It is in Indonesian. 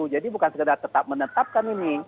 jadi bukan sekedar tetap menetapkan ini